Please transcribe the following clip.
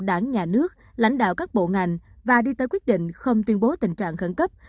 đảng nhà nước lãnh đạo các bộ ngành và đi tới quyết định không tuyên bố tình trạng khẩn cấp